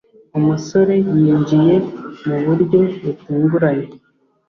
Umusore yinjiye muburyo butunguranye.